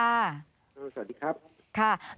สวัสดีครับ